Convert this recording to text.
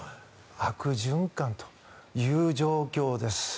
悪循環という状況です。